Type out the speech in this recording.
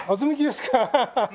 ハハハッ。